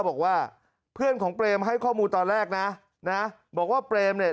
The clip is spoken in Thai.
บอกว่าเพื่อนของเปรมให้ข้อมูลตอนแรกนะนะบอกว่าเปรมเนี่ย